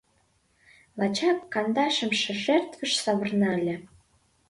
Лачак кандашымше жертвыш савырна ыле.